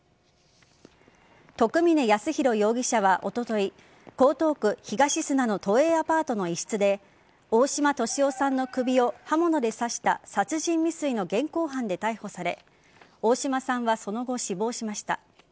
徳嶺安浩容疑者はおととい江東区東砂の都営アパートの一室で大嶋敏夫さんの首を刃物で刺した殺人未遂の現行犯で逮捕され大嶋さんはその後、死亡しました。